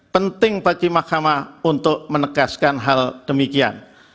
penting bagi mahkamah untuk menegaskan hal demikian